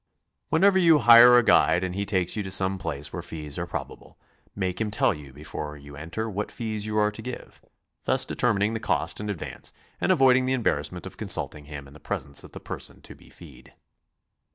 Whenever you hire a guide and he takes you to some place where fees are probable, make him tell you before you enter what fees you are to give, thus determining the cost in advance and avoiding the embarrassment of consulting him in the presence of the person to be feed.